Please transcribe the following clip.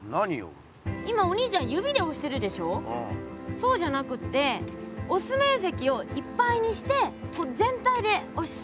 そうじゃなくておすめんせきをいっぱいにして全体でおす。